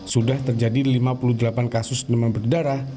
sudah terjadi lima puluh delapan kasus demam berdarah